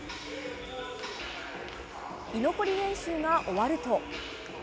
居残り練習が終わると。